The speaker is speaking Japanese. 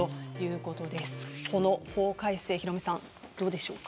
この法改正ヒロミさん、どうでしょうか。